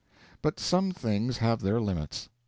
But some things have their limits.